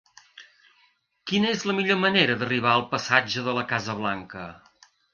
Quina és la millor manera d'arribar al passatge de la Casa Blanca?